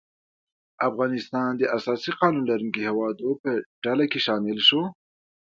افغانستان د اساسي قانون لرونکو هیوادو په ډله کې شامل شو.